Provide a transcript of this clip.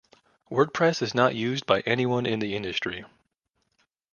Wordpress is not used by anyone in the industry.